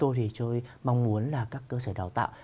tôi thì tôi mong muốn là các cơ sở đào tạo